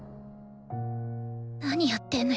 何やってんのよ